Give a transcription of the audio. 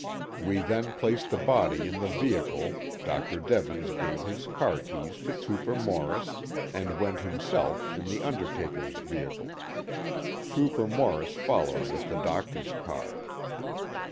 We then placed the body in the vehicle, Dr. Devens gave his car keys to Trooper Morris, and went himself in the undertaker's vehicle. Trooper Morris followed with the doctor's car."